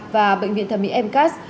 và bệnh viện thẩm mỹ mcas